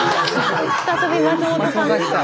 再び松本さん。